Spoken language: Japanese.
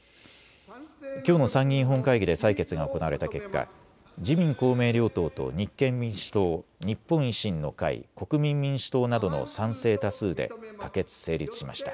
きょうの参議院本会議で採決が行われた結果、自民公明両党と立憲民主党、日本維新の会、国民民主党などの賛成多数で可決・成立しました。